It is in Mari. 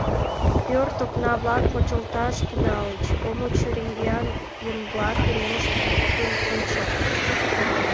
Пӧрт окна-влак почылташ тӱҥальыч: омо чуриян еҥ-влак уремыш тӱткын ончат.